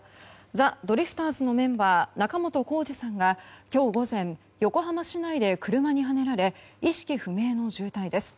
ザ・ドリフターズのメンバー仲本工事さんが今日午前、横浜市内で車にはねられ意識不明の重体です。